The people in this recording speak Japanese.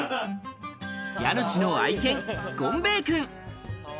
家主の愛犬・権兵衛くん。